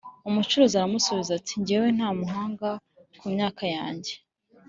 Umucuzi aramusubiza ati: “Ngewe Ntamuhanga ku myaka yange